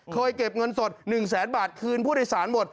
เก็บเงินสด๑แสนบาทคืนผู้โดยสารหมด